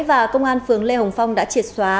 và công an phường lê hồng phong đã triệt xóa